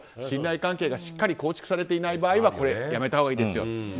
信頼関係がしっかり構築されていない場合はこれはやめたほうがいいですよと。